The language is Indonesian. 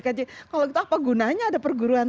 kj kalau gitu apa gunanya ada perguruan